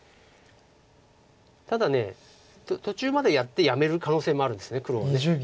ただ途中までやってやめる可能性もあるんです黒は。